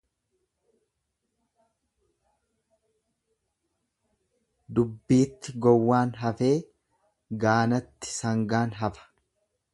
Dubbiitti gowwaan hafee gaanatti sangaan hafa.